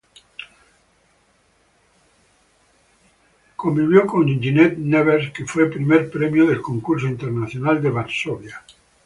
Convivió con Ginette Nevers, que fuera Primer Premio del Concurso Internacional de Varsovia.